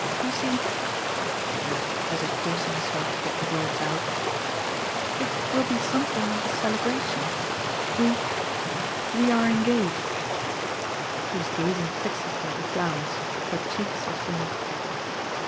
"You see," she added, as if forcing herself to get the words out, "it will be something of a cele bration. We — we are engaged." She was gazing fixedly at the flowers, her cheeks a flame.